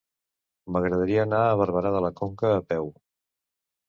M'agradaria anar a Barberà de la Conca a peu.